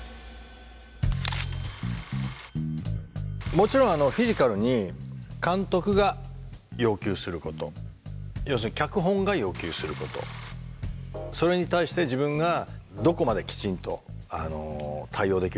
もちろんフィジカルに監督が要求すること要するに脚本が要求することそれに対して自分がどこまできちんと対応できるか。